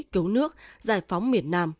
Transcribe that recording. cứu nước giải phóng miền nam